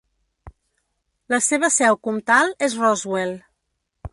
La seva seu comtal és Roswell.